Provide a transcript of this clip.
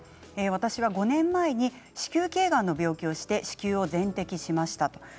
私は５年前に子宮体がんの病気をして子宮を全摘しました。